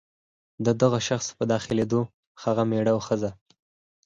د دغه شخص په داخلېدو هغه مېړه او ښځه.